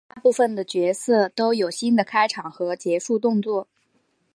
大部分的角色都有新的开场和结束动作。